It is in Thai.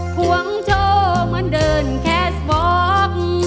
ควังโชคเหมือนเดินแค่สป๊อก